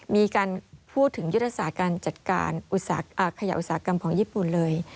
มีการพูดถึงยุทธศาสตร์การจัดการขยะอุตสาหกรรมของญี่ปุ่นเลย